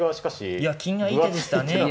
いや金合いいい手でしたね。